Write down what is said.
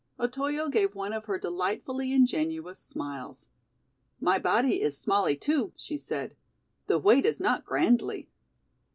Otoyo gave one of her delightfully ingenuous smiles. "My body is smally, too," she said. "The weight is not grandly."